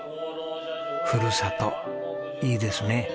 ふるさといいですね。